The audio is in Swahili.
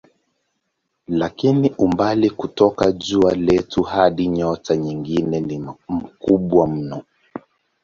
Lakini umbali kutoka jua letu hadi nyota nyingine ni mkubwa mno.